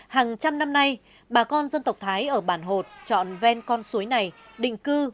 hàng trăm năm nay bà con dân tộc thái ở bản hột chọn ven con suối này định cư